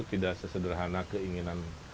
tapi tidak sesederhana keinginan